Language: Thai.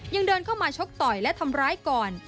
เดินเข้ามาชกต่อยและทำร้ายก่อน